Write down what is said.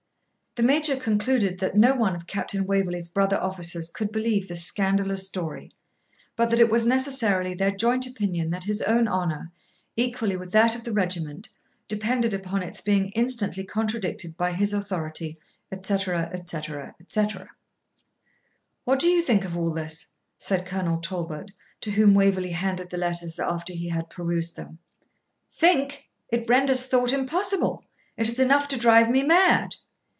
The major concluded that no one of Captain Waverley's brother officers could believe this scandalous story, but that it was necessarily their joint opinion that his own honour, equally with that of the regiment, depended upon its being instantly contradicted by his authority, etc. etc. etc. 'What do you think of all this?' said Colonel Talbot, to whom Waverley handed the letters after he had perused them. 'Think! it renders thought impossible. It is enough to drive me mad.'